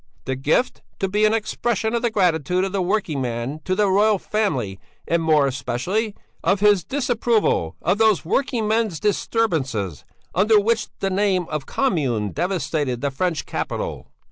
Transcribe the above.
The gift is to be an expression of the gratitude of the working man to the Royal Family and, more especially, of his disapproval of those working men's disturbances which under the name of 'Commune' devastated the French capital."